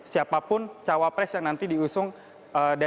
siapapun cawapres yang nanti diusung dari partai partai koalisi yang ada